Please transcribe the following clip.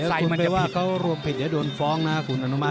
ใส่มันจะไม่ได้ถ้าเข้ารวมผิดเขาก็ได้โดนฟ้องฯนะครับขุนอนุมาตย์